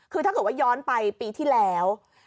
คือถ้าเกิดว่าย้อนไปปีที่แล้ว